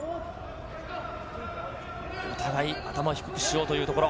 お互い頭を低くしようというところ。